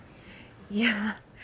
いや。